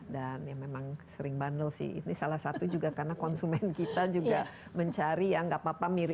dan memang sering bandel sih ini salah satu juga karena konsumen kita juga mencari yang nggak apa apa